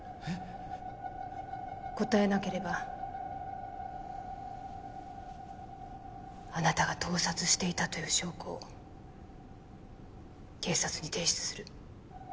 答えなければあなたが盗撮していたという証拠を警察に提出する。